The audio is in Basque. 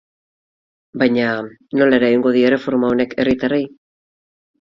Baina, nola eragingo die erreforma honek herritarrei?